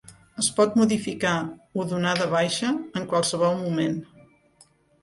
Es pot modificar o donar de baixa en qualsevol moment.